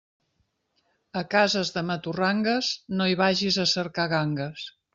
A cases de maturrangues no hi vagis a cercar gangues.